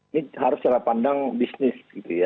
ini harus cara pandang bisnis